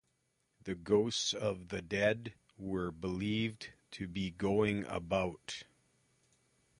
The ghosts of the dead were believed to be going about.